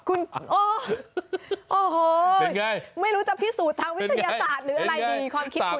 คุณโอ้โหไม่รู้จะพิสูจน์ทางวิทยาศาสตร์หรืออะไรดีความคิดคุณ